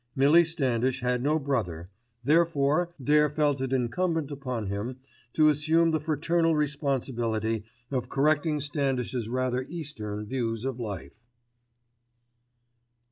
Millie Standish had no brother, therefore Dare felt it incumbent upon him to assume the fraternal responsibility of correcting Standish's rather Eastern views of life.